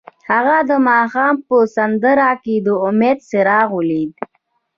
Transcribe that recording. هغه د ماښام په سمندر کې د امید څراغ ولید.